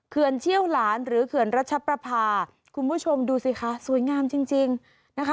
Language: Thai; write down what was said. เชี่ยวหลานหรือเขื่อนรัชประพาคุณผู้ชมดูสิคะสวยงามจริงจริงนะคะ